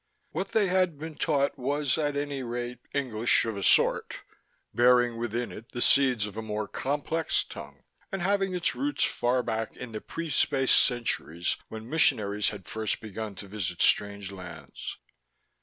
What they had been taught was, at any rate, English of a sort, bearing within it the seeds of a more complex tongue, and having its roots far back in the pre space centuries, when missionaries had first begun to visit strange lands.